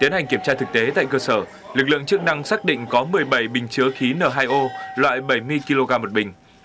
tiến hành kiểm tra thực tế tại cơ sở lực lượng chức năng xác định có một mươi bảy bình chứa khí n hai o loại bảy mươi kg một bình